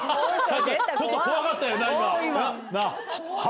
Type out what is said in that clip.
ちょっと怖かったよな今。